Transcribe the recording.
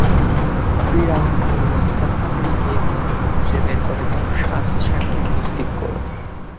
ফিরআউন বলল, হত্যাকারীকে তোমরা খুঁজে বের করে দাও, সাক্ষী উপস্থিত করো।